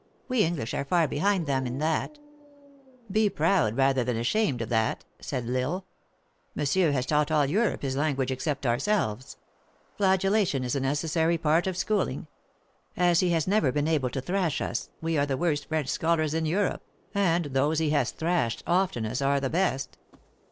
We English are far behind them in that." " Be proud rather than ashamed of that," said 11* 258 THE ACTRESS IN HIGH LIFE. L Isle. " Monsieur has tanglit all Europe his lan guage except ourselves. Flagellation is a necessary part of schooling. As he lias never been able to thrash us, we are the worst French scholars in Europe, and those he has thrashed oftenest, are the best.